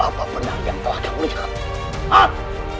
apa benar yang telah kau lihat